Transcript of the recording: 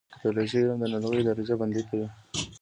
د پیتالوژي علم د ناروغیو درجه بندي کوي.